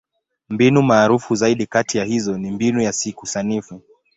Mbinu maarufu zaidi kati ya hizo ni Mbinu ya Siku Sanifu.